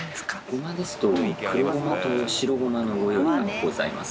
ごまですと黒ごまと白ごまのご用意がございます。